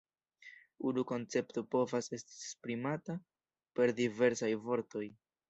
Unu koncepto povas esti esprimata per diversaj vortoj.